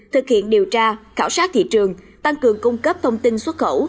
thực hiện điều tra khảo sát thị trường tăng cường cung cấp thông tin xuất khẩu